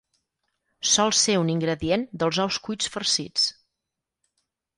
Sol ser un ingredient dels ous cuits farcits.